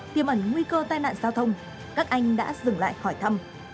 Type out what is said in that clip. tiềm ẩn nguy cơ tai nạn giao thông các anh đã dừng lại khỏi thăm